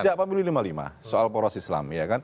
sejak pemilu lima puluh lima soal poros islam